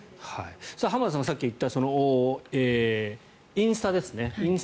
浜田さんがさっき言ったインスタですね。